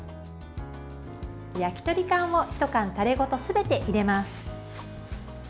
焼き鳥缶をひと缶タレごとすべて入れます。